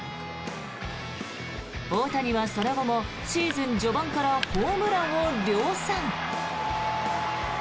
大谷はその後もシーズン序盤からホームランを量産。